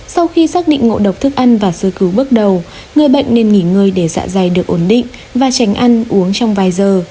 sau khi xác định ngộ độc thức ăn và sơ cứu bước đầu người bệnh nên nghỉ ngơi để dạ dày được ổn định và tránh ăn uống trong vài giờ